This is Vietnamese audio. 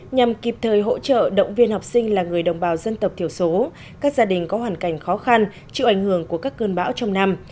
nhằm kịp thời hỗ trợ động viên học sinh là người đồng bào dân tộc thiểu số các gia đình có hoàn cảnh khó khăn chịu ảnh hưởng của các cơn bão trong năm